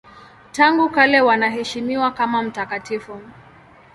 Tangu kale wanaheshimiwa kama mtakatifu.